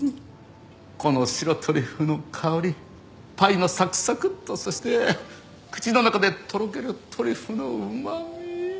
この白トリュフの香りパイのサクサクとそして口の中でとろけるトリュフのうまみ。